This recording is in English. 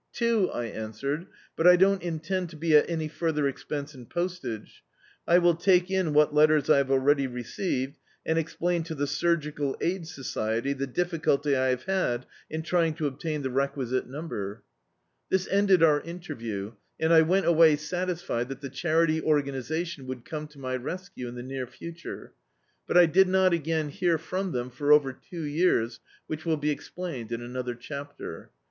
"Two," I answered, "but I don't intend to be at any further expense in post age; I will take in what letters I have already re ceived, and explain to the Surgical Aid Society the difficulty I have had in trying to obtain the requisite Dictzed by Google The Ark number." This ended our interview, and I went away satisfied that the Charity O^anisation would come to my rescue in the near future. But I did not again hear from them for over two years, which will be explained in another chapter.